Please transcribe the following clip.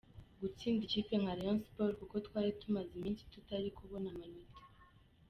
gutsinda ikipe nka Rayon Sports kuko twari tumaze iminsi tutari kubona amanota.